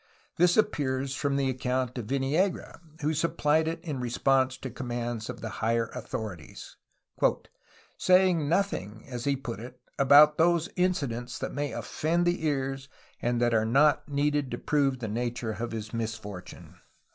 This appears from the account of Viniegra, who supplied it in response to commands of the higher authorities, ''saying nothing,'^ as he put it, "about those incidents that may offend the ears and that are not needed to prove the nature of his misfortune."